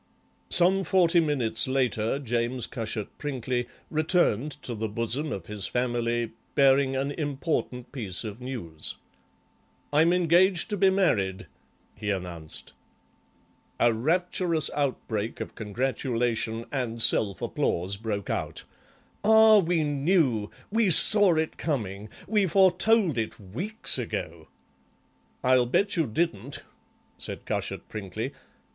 Some forty minutes later James Cushat Prinkly returned to the bosom of his family, bearing an important piece of news. "I'm engaged to be married," he announced. A rapturous outbreak of congratulation and self applause broke out. "Ah, we knew! We saw it coming! We foretold it weeks ago!" "I'll bet you didn't," said Cushat Prinkly.